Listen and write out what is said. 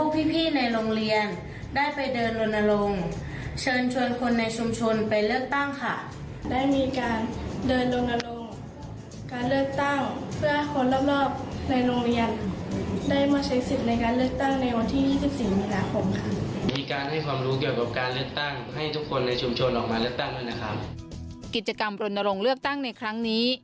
กิจกรรมรณรงค์เลือกตั้งในครั้งนี้